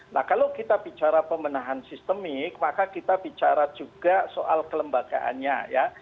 nah kalau kita bicara pemenahan sistemik maka kita bicara juga soal kelembagaannya ya